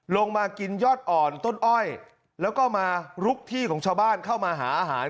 ลงมากินยอดอ่อนต้นอ้อยแล้วก็มาลุกที่ของชาวบ้านเข้ามาหาอาหาร